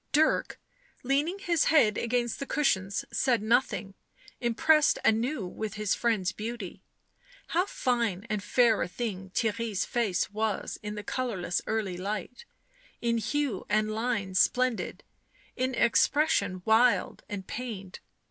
Dirk, leaning his head against the cushions, said nothing, impressed anew with his friend's beauty. How fine and fair a thing Theirry's face was in the colourless early light ; in hue and line splendid, in expression wild and pained.